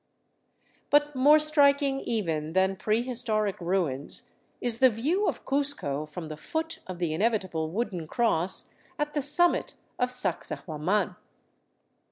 But more striking even than prehistoric ruins is the view of Cuzco from the foot of the inevitable wooden cross at the summit of Sacsa huaman.